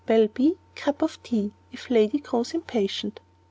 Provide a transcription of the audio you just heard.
Bell B, cup of tea, if ladies grows impatient."